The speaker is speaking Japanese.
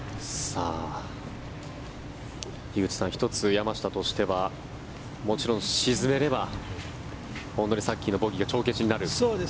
樋口さん、１つ山下としてはもちろん沈めればさっきのボギーが帳消しになる。